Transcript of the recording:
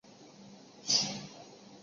正门上方的玫瑰窗使用了花窗玻璃。